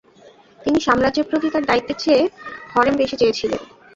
তিনি সাম্রাজ্যের প্রতি তার দায়িত্বের চেয়ে হরেম বেশি চেয়েছিলেন।